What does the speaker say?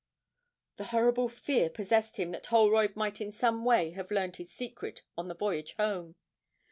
The horrible fear possessed him that Holroyd might in some way have learned his secret on the voyage home.